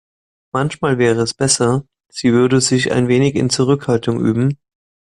Manchmal wäre es besser, sie würde sich ein wenig in Zurückhaltung üben.